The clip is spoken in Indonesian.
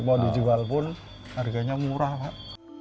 mau dijual pun harganya murah pak